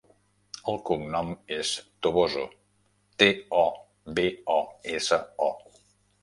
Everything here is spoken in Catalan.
El cognom és Toboso: te, o, be, o, essa, o.